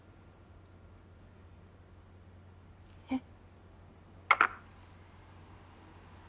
えっ？